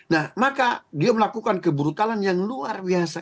nah maka dia melakukan kebrutalan yang luar biasa